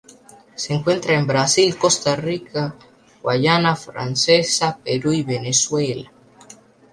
Se encuentra en Brasil, Costa Rica, Guayana Francesa, Perú y Venezuela.